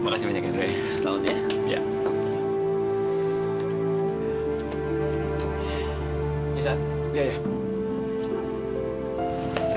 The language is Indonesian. makasih banyak ya dre selamat ya